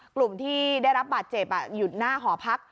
กลุ่มที่ได้รับบาดเจ็บหยุดหน้าหอพัก